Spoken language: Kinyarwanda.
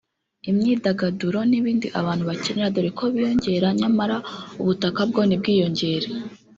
imyidagaduro n’ibindi abantu bakenera dore ko biyongera nyamara ubutaka bwo ntibwiyongere